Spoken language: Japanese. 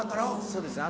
そうですね